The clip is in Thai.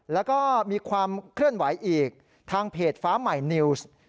แล้วก็มีความเคลื่อนไหวอีกทางเพจฟ้าใหม่นิวส์